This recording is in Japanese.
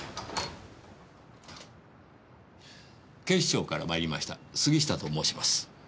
警視庁から参りました杉下と申します。